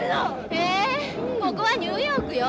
へえここはニューヨークよ。